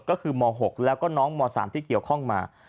ก็คือม๖แล้วก็น้องม๓ที่เกี่ยวข้องมา